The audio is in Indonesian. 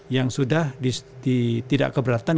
yang sudah tidak keberatan